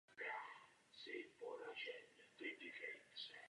Další stavební rozvoj záleží na politických okolnostech.